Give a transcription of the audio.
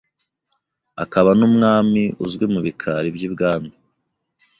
akaba n’umwami uzwi mu bikari by’ibwami.